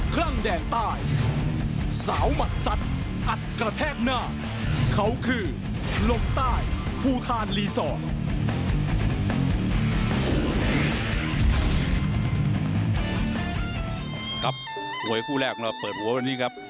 ครับมวยคู่แรกของเราเปิดหัววันนี้ครับ